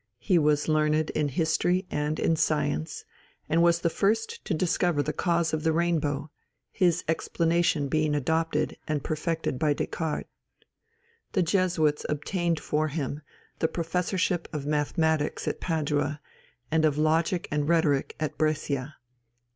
He was learned in history and in science, and was the first to discover the cause of the rainbow, his explanation being adopted and perfected by Descartes. The Jesuits obtained for him the Professorship of Mathematics at Padua, and of Logic and Rhetoric at Brescia.